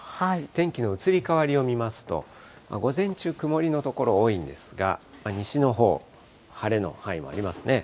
天気の移り変わりを見ますと、午前中、曇りの所、多いんですが、西のほう、晴れの範囲もありますね。